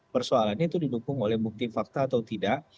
persoalannya itu didukung oleh bukti fakta atau tidak